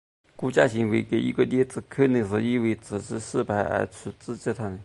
这种行为的一个例子可能是因为自己失败而去指责他人。